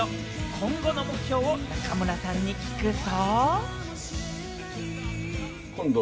今後の目標を中村さんに聞くと。